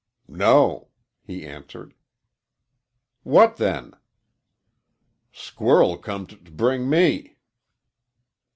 "No," he answered. "What then?" "Squirrel come t' b bring me."